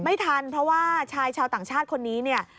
ไม่ทันเพราะว่าชายชาวต่างชาติคนนี้เนี่ย